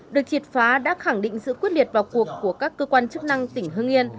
được triệt phá đã khẳng định sự quyết liệt vào cuộc của các cơ quan chức năng tỉnh hưng yên